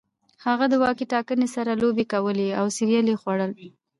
هغه د واکي ټاکي سره لوبې کولې او سیریل یې خوړل